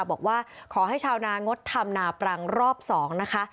บอกว่าขอให้ชาวนางดทำนาปรังรอบ๒นะคะ